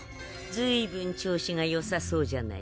ずいぶん調子がよさそうじゃないか。